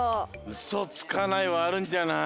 「ウソつかない」はあるんじゃない？